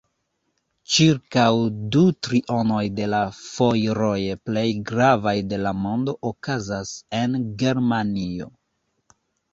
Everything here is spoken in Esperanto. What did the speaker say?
Ĉirkaŭ du trionoj de la fojroj plej gravaj de la mondo okazas en Germanio.